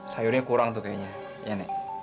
sayurnya kurang tuh kayaknya